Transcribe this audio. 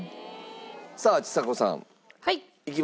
さあちさ子さんいきましょうか。